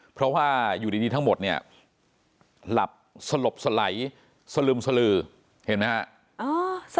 เพราะว่าอยู่ดีทั้งหมดเนี่ยหลับสลบสไหลสลึมสลือเห็นไหมครับ